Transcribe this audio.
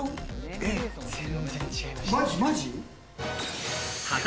全然違いました。